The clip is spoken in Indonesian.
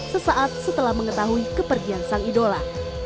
sesaat setelah mengetahui kepergian sang idola